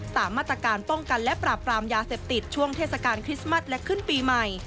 ตามมาตรการป้องกันและปราบปรามยาเสพติดช่วงเทศกาลคริสต์มัสและขึ้นปีใหม่